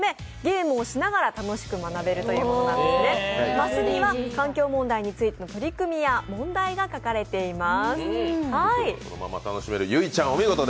マスには環境問題についての取り組みや問題が書かれています。